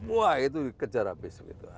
wah itu kejar habis